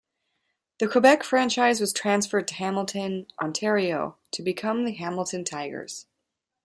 The Quebec franchise was transferred to Hamilton, Ontario, to become the Hamilton Tigers.